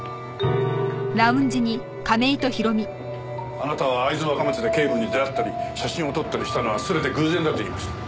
あなたは会津若松で警部に出会ったり写真を撮ったりしたのは全て偶然だと言いました。